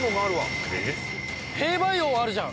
兵馬俑あるじゃん！